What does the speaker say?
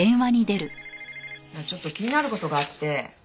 ちょっと気になる事があって。